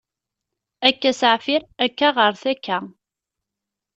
Akka s aɛfir, akka ɣeṛ takka.